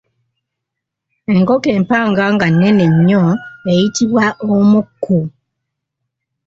Enkoko empanga nga nnene nnyo eyitibwa omukku.